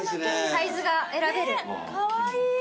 サイズが選べる。